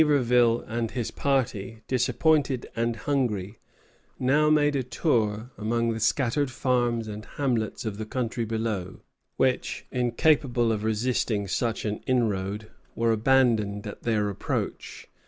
_] Niverville and his party, disappointed and hungry, now made a tour among the scattered farms and hamlets of the country below, which, incapable of resisting such an inroad, were abandoned at their approach.